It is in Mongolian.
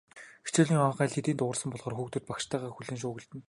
Хичээлийн хонх аль хэдийн дуугарсан болохоор хүүхдүүд багшийгаа хүлээн шуугилдана.